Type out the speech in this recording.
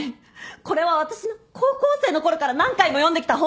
これは私が高校生のころから何回も読んできた本！